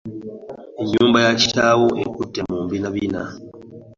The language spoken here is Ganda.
Ennyumba ya kitaawo ekutte mu mbinabina.